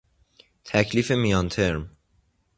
تکلیف میان ترم